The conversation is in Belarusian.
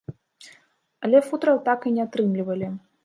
Але футраў так і не атрымлівалі.